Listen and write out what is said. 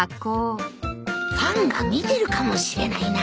ファンが見てるかもしれないな